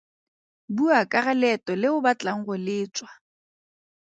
Bua ka ga leeto le o batlang go le tswa.